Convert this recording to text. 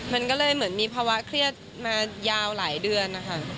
มันก็เลยเหมือนมีภาวะเครียดมายาวหลายเดือนนะคะ